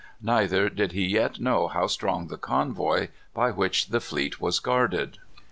Neither did he yet know how strong the convoy by which the fleet was guarded.